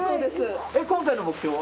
今回の目標は？